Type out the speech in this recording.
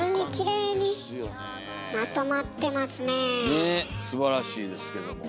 ねっすばらしいですけども。